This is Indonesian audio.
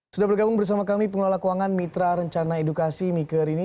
sudah bergabung bersama kami pengelola keuangan mitra rencana edukasi mika rini